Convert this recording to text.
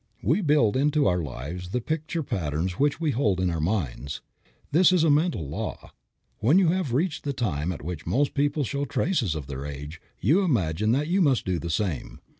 We build into our lives the picture patterns which we hold in our minds. This is a mental law. When you have reached the time at which most people show traces of their age you imagine that you must do the same.